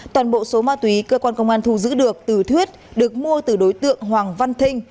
toàn bộ số ma túy cơ quan công an thu giữ được từ thuyết được mua từ đối tượng hoàng văn thinh